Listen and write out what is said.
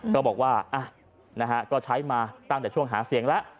ก็บอกว่าก็ใช้มาตั้งแต่ช่วงหาเสียงแล้ว